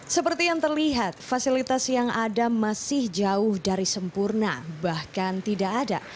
seperti yang terlihat fasilitas yang ada masih jauh dari sempurna bahkan tidak ada